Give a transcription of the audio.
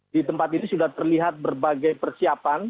di tempat ini sudah terlihat berbagai persiapan